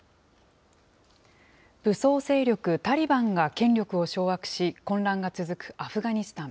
武装勢力タリバンが権力を掌握し、混乱が続くアフガニスタン。